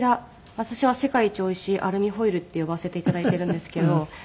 私は世界一おいしいアルミホイルって呼ばせて頂いているんですけど。